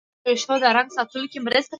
خرما د ویښتو د رنګ ساتلو کې مرسته کوي.